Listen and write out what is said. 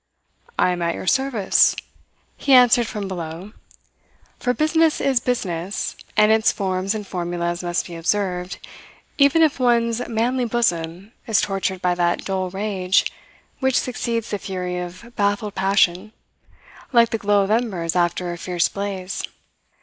"I am at your service," he answered from below; for business is business, and its forms and formulas must be observed, even if one's manly bosom is tortured by that dull rage which succeeds the fury of baffled passion, like the glow of embers after a fierce blaze.